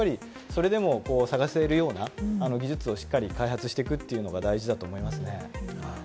でも捜せるような技術をしっかりと開発していくというのが大事だと思いますね。